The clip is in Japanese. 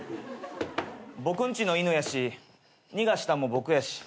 僕んちの犬やし逃がしたんも僕やし。